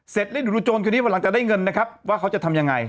เสร็จแล้วอยู่ดูโจรคือนี้หลังจากได้เงินนะครับว่าเขาจะทำยังไง